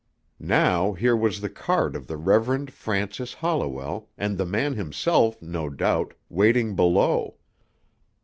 Now here was the card of the Reverend Francis Holliwell and the man himself, no doubt, waiting below.